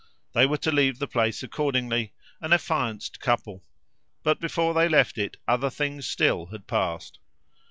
They were to leave the place accordingly an affianced couple, but before they left it other things still had passed.